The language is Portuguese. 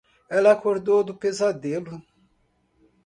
Ela acordou do pesadelo.